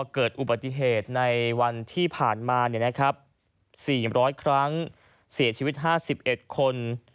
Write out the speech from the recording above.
เกิดอุบัติเหตุในวันที่ผ่านมา๔๐๐ครั้งเสียชีวิต๕๑คน